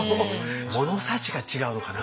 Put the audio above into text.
物差しが違うのかな？